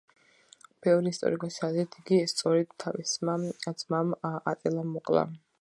ბევრი ისტორიკოსის აზრით, იგი სწორედ თავისმა ძმამ ატილამ მოკლა.